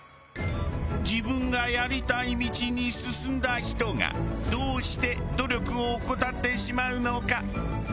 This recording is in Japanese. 自分がやりたい道に進んだ人がどうして努力を怠ってしまうのか？